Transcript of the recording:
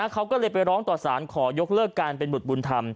เขาก็เลยไปร้องต่อสารขอยกเลิกการเป็นบุตรบุญธรรม